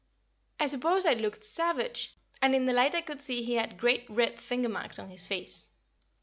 I suppose I looked savage, and in the light I could see he had great red finger marks on his face.